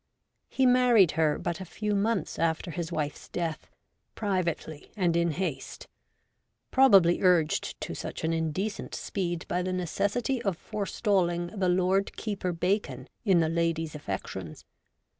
He married her but a few months after his wife's death, privately and in haste ; probably urged to such an indecent speed by the necessity of forestalling the Lord Keeper Bacon in the lady's affections.